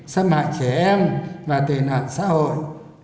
xâm hại trẻ em và tệ nạn xã hội